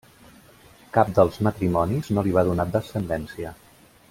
Cap dels matrimonis no li va donar descendència.